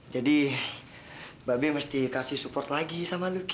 jadi bebe mesti kasih support lagi sama lucky